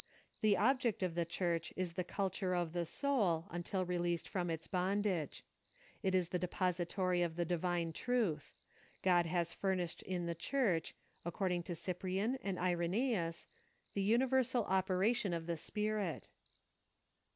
The object of the Church is the culture of the soul, until released from its bondage. It is the depository of the divine truth. God has furnished in the Church, according to Cyprian and Irenseus, the universal operation of the Spirit.